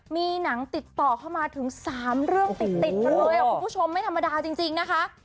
มีหนังติดต่อเข้ามาถึง๓เรื่องติดกันเลยคุณผู้ชมไม่ธรรมดาจริงนะคะ